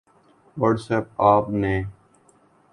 what's app آپ نئے